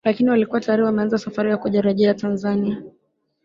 lakini walikuwa tayari wameanza safari ya kurejea Tanzania